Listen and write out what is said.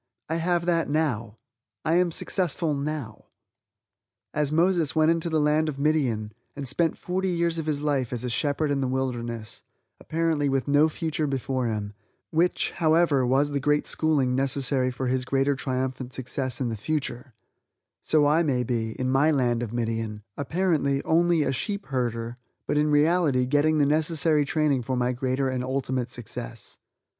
I have that now! I am successful now! As Moses went into the land of Midian, and spent forty years of his life as a shepherd in the wilderness (apparently with no future before him which, however, was the great schooling necessary for his greater triumphant success in the future) so I may be, in my land of Midian, apparently, only a sheep herder, but in reality getting the necessary training for my greater and ultimate success.